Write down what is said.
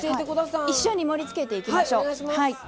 一緒に盛りつけていきましょう。